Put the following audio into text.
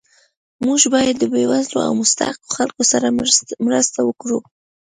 موږ باید د بې وزلو او مستحقو خلکو سره مرسته وکړو